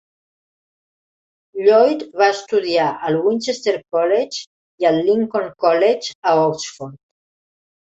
Lloyd va estudiar al Winchester College i al Lincoln College, a Oxford.